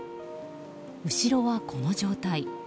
後ろは、この状態。